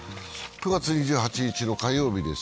９月２８日の火曜日です。